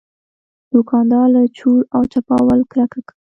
دوکاندار له چور او چپاول کرکه لري.